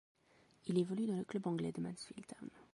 Il évolue dans le club anglais de Mansfield Town.